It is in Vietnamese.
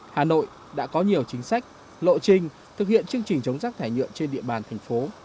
hà nội đã có nhiều chính sách lộ trình thực hiện chương trình chống rác thải nhựa trên địa bàn thành phố